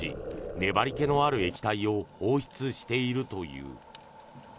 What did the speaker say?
粘りけのある液体を放出しているという。